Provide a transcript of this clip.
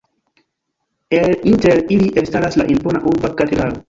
El inter ili elstaras la impona urba katedralo.